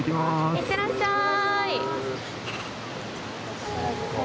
いってらっしゃい！